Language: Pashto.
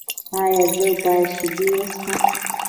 ایا زه باید شیدې وڅښم؟